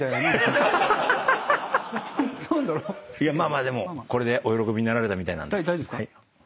まあでもこれでお喜びになられたみたいなんで。